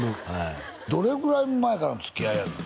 どれぐらい前からのつきあいなの？